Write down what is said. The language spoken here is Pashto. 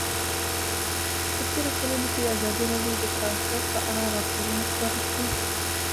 په تېرو کلونو کې ازادي راډیو د ترانسپورټ په اړه راپورونه خپاره کړي دي.